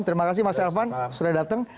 terima kasih mas elvan sudah datang